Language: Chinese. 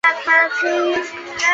在约定的时间前来